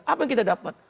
apa yang kita dapat